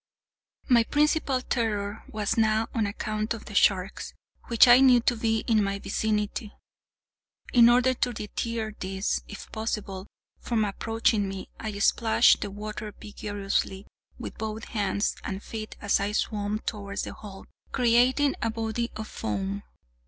My principal terror was now on account of the sharks, which I knew to be in my vicinity. In order to deter these, if possible, from approaching me, I splashed the water vigorously with both hands and feet as I swam towards the hulk, creating a body of foam.